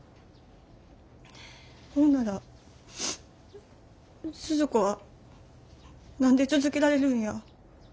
ほんならスズ子は何で続けられるんや？